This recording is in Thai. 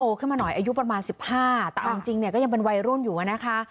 ขึ้นมาหน่อยอายุประมาณ๑๕แต่เอาจริงเนี่ยก็ยังเป็นวัยรุ่นอยู่อะนะคะ